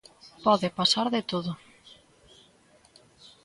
Pode pasar de todo.